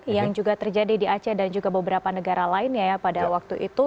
yang juga terjadi di aceh dan juga beberapa negara lainnya ya pada waktu itu